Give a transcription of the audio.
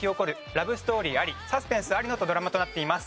ラブストーリーありサスペンスありのドラマとなっています。